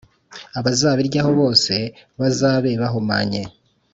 abazabiryaho bose bazabe bahumanye;